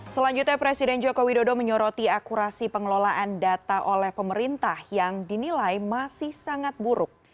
selanjutnya presiden joko widodo menyoroti akurasi pengelolaan data oleh pemerintah yang dinilai masih sangat buruk